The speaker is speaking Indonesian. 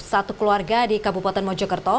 satu keluarga di kabupaten mojokerto